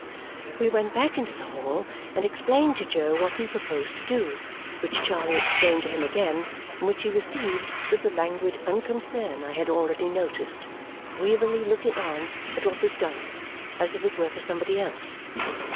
We went back into the hall and explained to Jo what we proposed to do, which Charley explained to him again and which he received with the languid unconcern I had already noticed, wearily looking on at what was done as if it were for somebody else.